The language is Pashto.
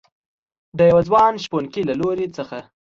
دیوه ځوان شپونکي له دروي څخه